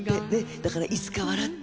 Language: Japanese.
だからいつか笑って。